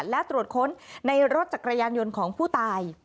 และตรวจค้นในรถจักรยานยนต์ของผู้ตาย